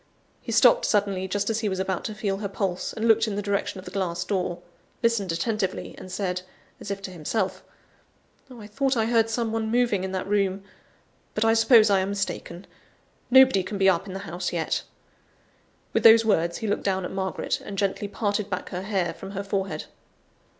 He stopped suddenly, just as he was about to feel her pulse, and looked in the direction of the glass door listened attentively and said, as if to himself "I thought I heard some one moving in that room, but I suppose I am mistaken; nobody can be up in the house yet." With those words he looked down at Margaret, and gently parted back her hair from her forehead.